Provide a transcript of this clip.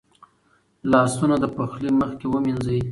لاسونه د پخلي مخکې ومینځئ.